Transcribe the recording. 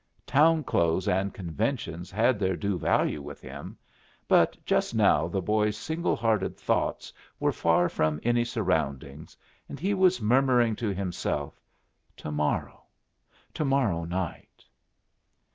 Town clothes and conventions had their due value with him. But just now the boy's single hearted thoughts were far from any surroundings, and he was murmuring to himself, "To morrow! tomorrow night!"